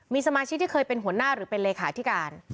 มีสมาชิกที่เคยเป็นหัวหน้าหรือเป็นเลขาธิการ